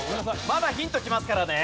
まだヒントきますからね。